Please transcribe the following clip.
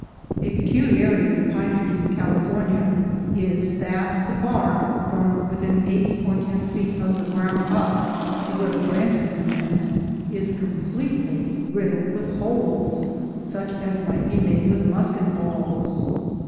A peculiarity of the pine trees in California is that the bark, from within eight or ten feet of the ground up to where the branches commence, is com pletely riddled with holes, such as might be made with musket balls.